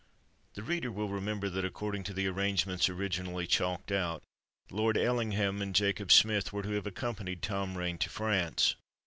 The reader will remember that, according to the arrangements originally chalked out, Lord Ellingham and Jacob Smith were to have accompanied Tom Rain to France.